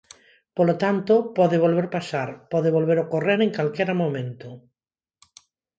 Polo tanto, pode volver pasar, pode volver ocorrer en calquera momento.